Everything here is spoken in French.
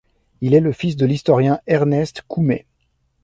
Il est le fils de l'historien Ernest Coumet.